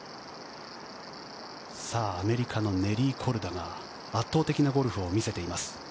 アメリカのネリー・コルダが圧倒的なゴルフを見せています。